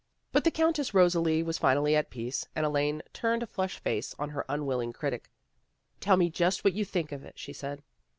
But the Countess Rosalie was finally at peace, and Elaine turned a flushed face on her unwill ing critic. " Tell me just what you think of it," she said.